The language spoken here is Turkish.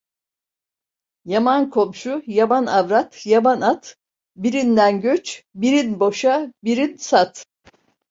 Yaman komşu, yaman avrat, yaman at; birinden göç, birin boşa, birin sat.